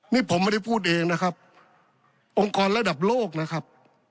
นี่ผมไม่ได้พูดเองนะครับองค์กรระดับโลกนะครับ